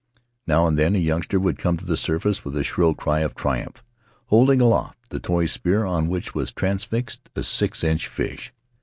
Now and then a youngster came to the surface with a shrill cry of triumph, holding aloft the toy spear on which was transfixed a six inch fish.